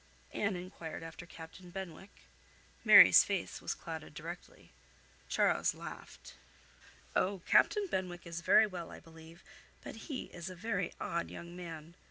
Anne enquired after Captain Benwick. Mary's face was clouded directly. Charles laughed. "Oh! Captain Benwick is very well, I believe, but he is a very odd young man.